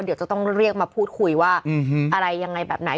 เดี๋ยวจะต้องเรียกมาพูดคุยว่าอะไรยังไงแบบไหน